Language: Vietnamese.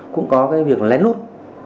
cũng có cái việc lén lút